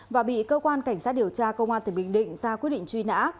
và bị cơ quan cảnh sát điều tra công an tỉnh bình định ra quyết định truy nã